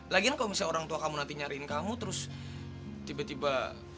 lagian kalau misalnya orang tua kamu nanti nyariin kamu terus tiba tiba